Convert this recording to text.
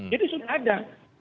jadi sudah ada